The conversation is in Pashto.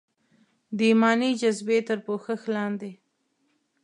د ایماني جذبې تر پوښښ لاندې.